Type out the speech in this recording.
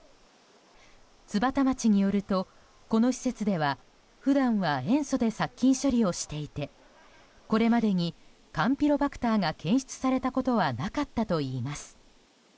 津幡町によるとこの施設では普段は塩素で殺菌処理をしていてこれまでにカンピロバクターが検出されたことはなかったといいます。